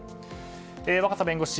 若狭弁護士